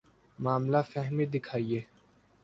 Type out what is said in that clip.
معاملہ فہمی دکھائیے۔